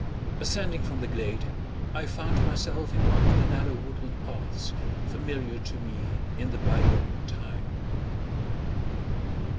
Ascending from the glade, I found myself in one of the narrow woodland paths, familiar to me in the by gone time.